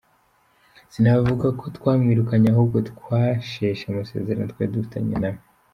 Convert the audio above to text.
Sinavuga ko twamwirukanye ahubwo twasheshe amasezerano twari dufitanye na we.